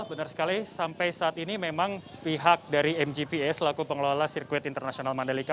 benar sekali sampai saat ini memang pihak dari mgpa selaku pengelola sirkuit internasional mandalika